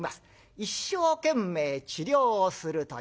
一生懸命治療をするという。